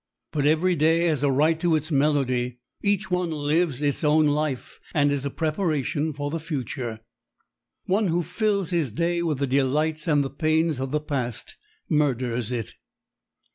But every day has a right to its melody. Each one lives its own life and is a preparation for the future. One who fills his day with the delights and the pains of the past murders it.